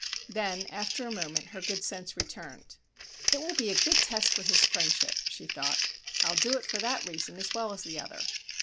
Then after a moment her good sense returned. "It will be a good test for his friendship," she thought. "I'll do it for that reason as well as the other."